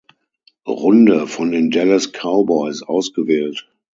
Runde von den Dallas Cowboys ausgewählt.